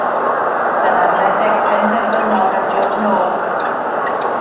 Dyna redeg penderfynol gan George North.